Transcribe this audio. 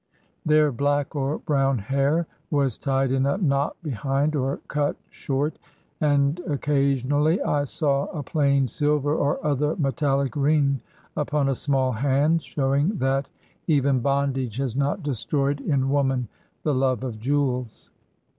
Their black or brown hair was tied in a knot be hind, or cut short. And occasionally I saw a plain silver or other metalHc ring upon a small hand, showing that even bondage has not destroyed in woman the love of jewels.